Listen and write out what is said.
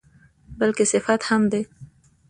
بلکې صفت هم ده.